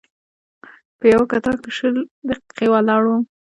په یوه کتار کې شل دقیقې ولاړ وم.